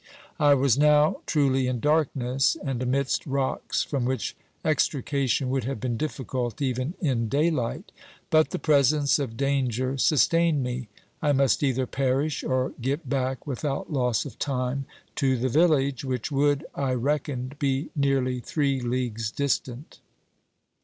I was now truly in darkness, and amidst rocks from which extrica tion would have been difficult even in daylight. But the presence of danger sustained me. I must either perish or get back without loss of time to the village, which would, I reckoned, be nearly three leagues distant.